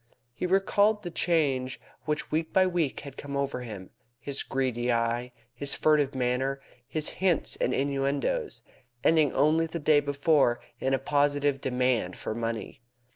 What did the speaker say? He recalled the change which, week by week, had come over him his greedy eye, his furtive manner, his hints and innuendoes, ending only the day before in a positive demand for money.